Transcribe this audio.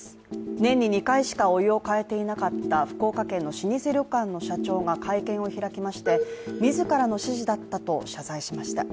年に２回しかお湯を替えていなかった福岡県の老舗旅館の社長が会見を開きまして、自らの指示だったと謝罪しました。